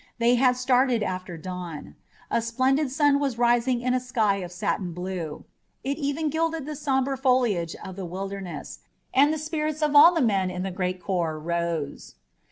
They had started after dawn. A splendid sun was rising in a sky of satin blue. It even gilded the somber foliage of the Wilderness, and the spirits of all the men in the great corps rose.